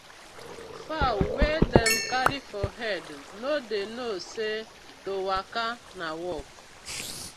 Fowl wey dem carry for head no dey know say to waka na work: